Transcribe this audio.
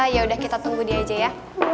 ya udah kita tunggu dia aja ya